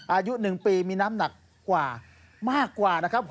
อายุ๑ปีมีน้ำหนักกว่ามากกว่านะครับ